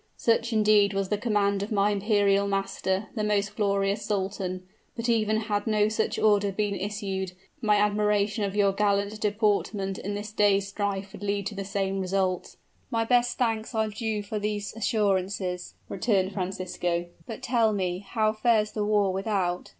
Such, indeed, was the command of my imperial master, the most glorious sultan; but even had no such order been issued, my admiration of your gallant deportment in this day's strife would lead to the same result." "My best thanks are due for these assurances," returned Francisco. "But tell me how fares the war without?"